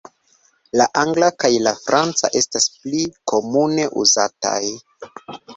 La angla kaj la franca estas pli komune uzataj.